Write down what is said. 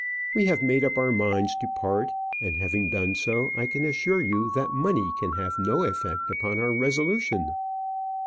We have made up our minds to part; and, having done so, I can assure you that money can have no effect upon our resolution."